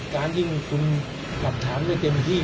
การที่คุณหลับถามได้เต็มที่